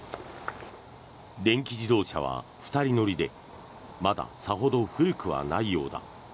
電気自動車は２人乗りでまださほど古くはないようだ。